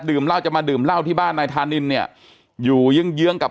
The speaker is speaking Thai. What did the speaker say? เหล้าจะมาดื่มเหล้าที่บ้านนายธานินเนี่ยอยู่เยื้องเยื้องกับ